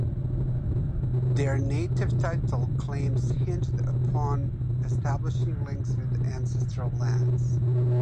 Their Native Title claims hinged upon establishing links with ancestral lands.